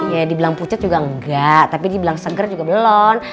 iya dibilang pucat juga enggak tapi dibilang segar juga belum